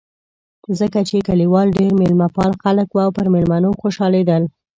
ځکه چې کلیوال ډېر مېلمه پال خلک و او پر مېلمنو خوشحالېدل.